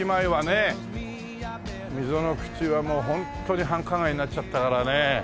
溝の口はもうホントに繁華街になっちゃったからね。